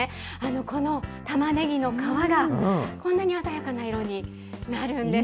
このタマネギの皮が、こんなに鮮やかな色になるんです。